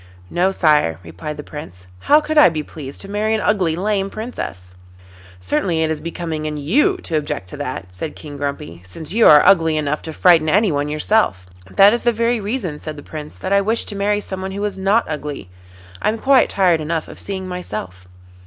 'No, sire,' replied the Prince. 'How could I be pleased to marry an ugly, lame Princess?' 'Certainly it is becoming in you to object to that,' said King Grumpy, 'since you are ugly enough to frighten anyone yourself.' 'That is the very reason,' said the Prince, 'that I wish to marry someone who is not ugly. I am quite tired enough of seeing myself.